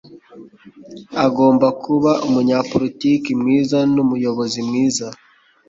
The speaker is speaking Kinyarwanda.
Agomba kuba umunyapolitiki mwiza n'umuyobozi mwiza.